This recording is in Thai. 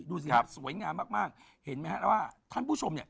ดูสิครับสวยงามมากเห็นมั้ยครับว่าท่านผู้ชมเนี่ย